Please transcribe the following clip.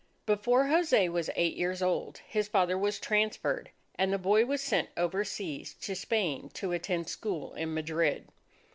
Before Jose was eight years old, his father was transferred, and the boy was sent overseas to Spain to attend school in Madrid.